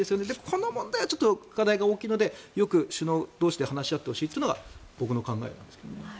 この問題はちょっと課題が大きいのでよく首脳同士で話し合ってほしいというのが僕の考えなんですけどね。